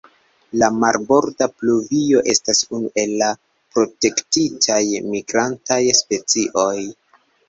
La Marborda pluvio estas unu el la protektitaj migrantaj specioj.